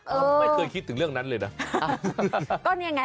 ไม่เคยคิดถึงเรื่องนั้นเลยนะ